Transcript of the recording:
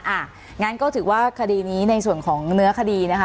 อ่ะงั้นก็ถือว่าคดีนี้ในส่วนของเนื้อคดีนะคะ